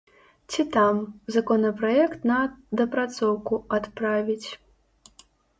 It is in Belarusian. Ці там, законапраект на дапрацоўку адправіць.